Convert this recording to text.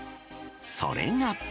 それが。